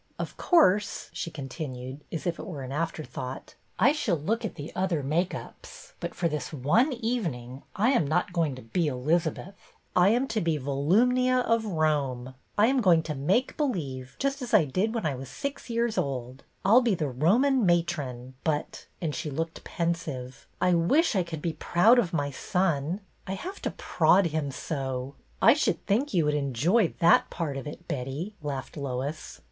Of course," she continued, as if it were an afterthought, " I shall look at the other make ups; but for this one evening I am not going to be Eliz abeth. I am to be Volumnia of Rome. I am going to make believe, just as I did when I was six years old. I 'll be the Roman matron, but —" and she looked iDensive —" I wish I could be proud of my son — I have to prod him so !"" I should think you would enjoy that part of it, Betty," laughed Lois.